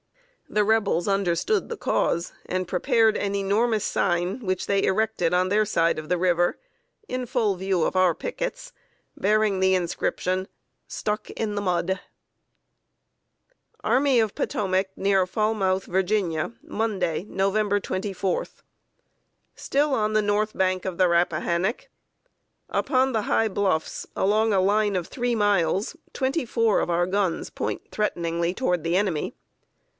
The Rebels understood the cause, and prepared an enormous sign, which they erected on their side of the river, in full view of our pickets, bearing the inscription, "STUCK IN THE MUD!" [Sidenote: THE BATTERIES AT FREDERICKSBURG.] ARMY OF POTOMAC, NEAR FALMOUTH, VA., } Monday, Nov. 24. } Still on the north bank of the Rappahannock! Upon the high bluffs, along a line of three miles, twenty four of our guns point threateningly toward the enemy.